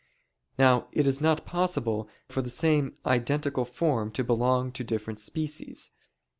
Now it is not possible for the same identical form to belong to different species.